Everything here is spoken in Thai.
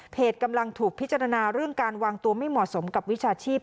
กำลังถูกพิจารณาเรื่องการวางตัวไม่เหมาะสมกับวิชาชีพ